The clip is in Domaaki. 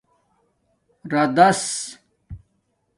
رادس